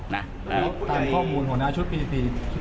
อำนาจชั้นที่หัวหน้าชุดปีที่ที่๕